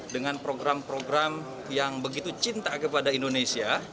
dengan program program yang begitu cinta kepada indonesia